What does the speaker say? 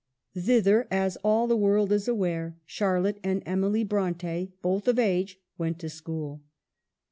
Thither, as all the world is aware, Charlotte and Emily Bronte, both of age, went to school.